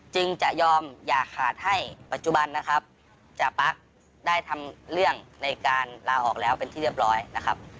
จะยอมอย่าขาดให้ปัจจุบันนะครับจาปั๊กได้ทำเรื่องในการลาออกแล้วเป็นที่เรียบร้อยนะครับ